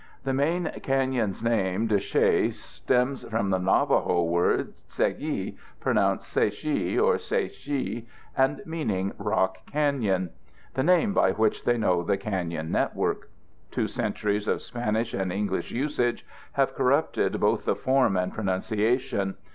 The main canyon's name, de Chelly, stems from the Navajo word "Tsegi" (pronounced tsay yih or tsay yhi and meaning "Rock Canyon"), the name by which they know the canyon network. Two centuries of Spanish and English usage have corrupted both the form and pronunciation.